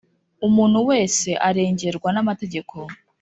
umuntu wese arengerwa n’amategeko;